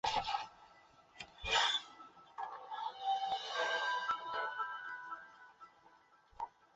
霍罗姆诺耶农村居民点是俄罗斯联邦布良斯克州克利莫沃区所属的一个农村居民点。